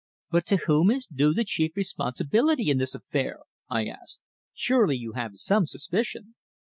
"But to whom is due the chief responsibility in this affair?" I asked. "Surely you have some suspicion?"